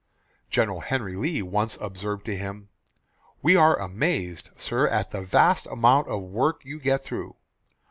General Harry Lee once observed to him, "We are amazed, sir, at the vast amount of work you get through."